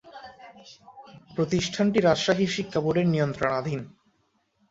প্রতিষ্ঠানটি রাজশাহী শিক্ষা বোর্ডের নিয়ন্ত্রণাধীন।